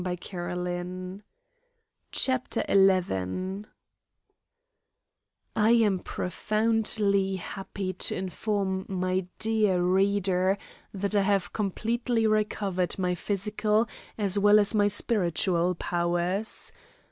Our prison CHAPTER XI I am profoundly happy to inform my dear reader that I have completely recovered my physical as well as my spiritual powers.